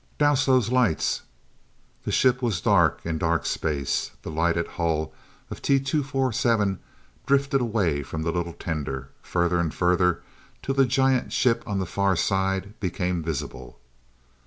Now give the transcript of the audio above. "Douse those lights!" The ship was dark in dark space. The lighted hull of the T 247 drifted away from the little tender further and further till the giant ship on the far side became visible.